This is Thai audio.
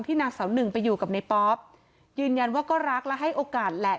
นางสาวหนึ่งไปอยู่กับในป๊อปยืนยันว่าก็รักและให้โอกาสแหละ